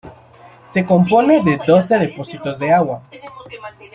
Se compone de doce depósitos de agua.